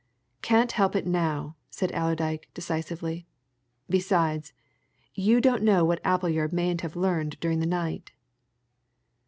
"Can't help it now," said Allerdyke decisively. "Besides, you don't know what Appleyard mayn't have learned during the night."